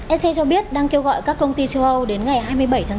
ec cho biết đang kêu gọi các công ty châu âu đến ngày hai mươi bảy tháng bốn